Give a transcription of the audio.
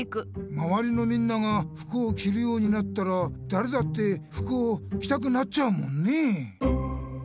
まわりのみんなが服をきるようになったらだれだって服をきたくなっちゃうもんねえ。